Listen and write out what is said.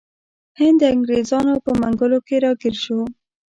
هند د انګریزانو په منګولو کې راګیر شو.